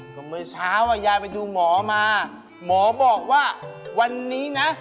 ก็เมื่อเช้าอ่ะยายไปดูหมอมาหมอบอกว่าวันนี้นะ